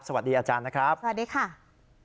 สวัสดีอาจารย์นะครับสวัสดีค่ะ